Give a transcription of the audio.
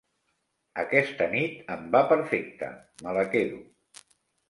Aquesta nit em va perfecte; me la quedo.